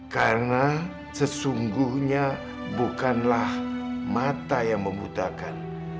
karena sesungguhnya bukanlah mata yang membutakan